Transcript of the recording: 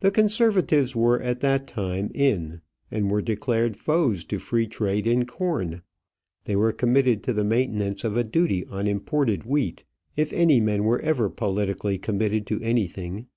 The Conservatives were at that time in, and were declared foes to free trade in corn. They were committed to the maintenance of a duty on imported wheat if any men were ever politically committed to anything.